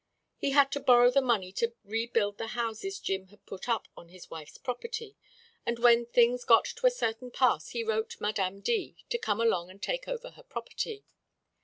He had to borrow the money to rebuild the houses Jim had put up on his wife's property, and when things got to a certain pass he wrote Madame D. to come along and take over her property.